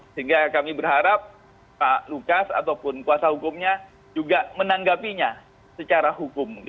sehingga kami berharap pak lukas ataupun kuasa hukumnya juga menanggapinya secara hukum